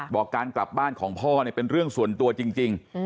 บอกการกลับบ้านของพ่อเนี่ยเป็นเรื่องส่วนตัวจริง